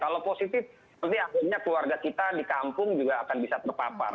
kalau positif nanti akhirnya keluarga kita di kampung juga akan bisa terpapar